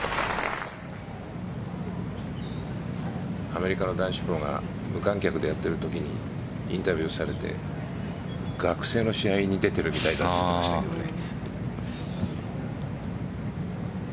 アメリカの男子プロが無観客でやってるときにインタビューされて学生の試合に出ているみたいだなんて言ってましたけどね。